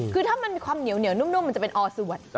คือถ้ามันมีความเหนียวนุ่มมันจะเป็นอสวด